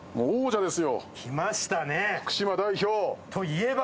来ましたね。